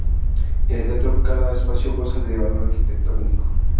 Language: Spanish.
En el teatro cada espacio goza de valor arquitectónico.